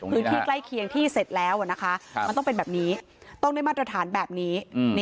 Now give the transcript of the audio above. ใกล้เคียงที่เสร็จแล้วมันต้องเป็นแบบนี้ต้องได้มาตรฐานแบบนี้